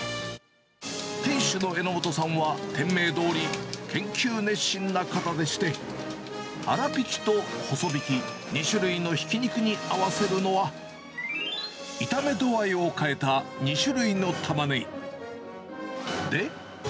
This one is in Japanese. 店主の榎本さんは、店名どおり、研究熱心な方でして、粗びきと細びき、２種類のひき肉に合わせるのは、炒め度合いを変えた２種類のタマネギ。